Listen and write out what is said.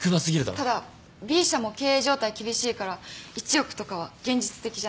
ただＢ社も経営状態厳しいから１億とかは現実的じゃないと思う。